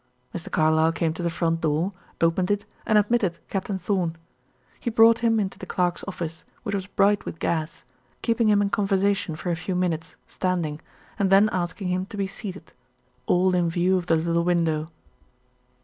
Mr. Carlyle came to the front door, opened it, and admitted Captain Thorn. He brought him into the clerk's office, which was bright with gas, keeping him in conversation for a few minutes standing, and then asking him to be seated all in full view of the little window.